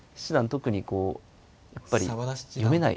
特にこうやっぱり読めない。